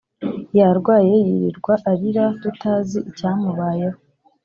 Yarwaye yirirwa arira tutazi icyamubayeho